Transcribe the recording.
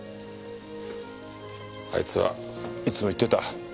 あいつはいつも言ってた。